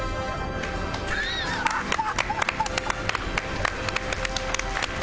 ハハハハ！